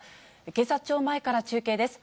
警察庁前から中継です。